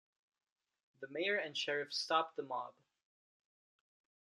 The mayor and sheriff stopped the mob.